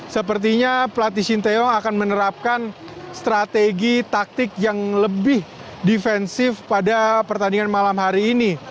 sepertinya pelatih shin taeyong akan menerapkan strategi taktik yang lebih defensif pada pertandingan malam hari ini